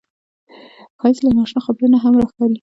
ښایست له نا اشنا خبرو نه هم راښکاري